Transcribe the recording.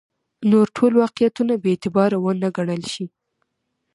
نور ټول واقعیتونه بې اعتباره ونه ګڼل شي.